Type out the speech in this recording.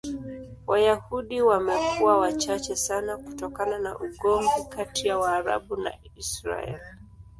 Wayahudi wamekuwa wachache sana kutokana na ugomvi kati ya Waarabu na Israel.